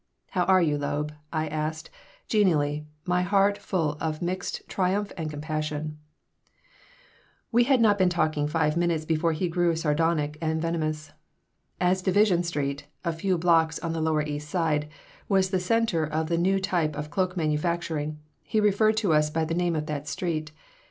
"How are you, Loeb?" I asked, genially, my heart full of mixed triumph and compassion We had not been talking five minutes before he grew sardonic and venomous. As Division Street a few blocks on the lower East Side was the center of the new type of cloak manufacturing, he referred to us by the name of that street.